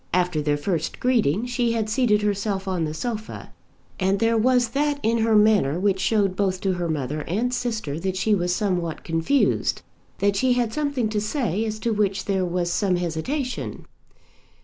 After their first greeting she had seated herself on the sofa, and there was that in her manner which showed both to her mother and sister that she was somewhat confused, that she had something to say as to which there was some hesitation.